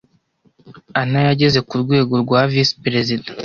Anna yageze ku rwego rwa visi perezida.